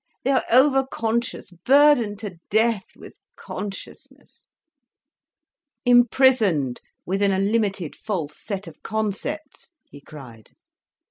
They are over conscious, burdened to death with consciousness." "Imprisoned within a limited, false set of concepts," he cried.